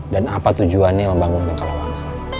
dan apa tujuannya membangunkan kalawangsa